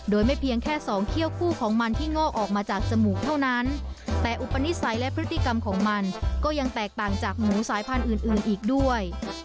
โดยไม่เพียงแค่สองเขี้ยวคู่ของมันที่งอกออกมาจากจมูกเท่านั้นแต่อุปนิสัยและพฤติกรรมของมันก็ยังแตกต่างจากหมูสายพันธุ์อื่นอีกด้วย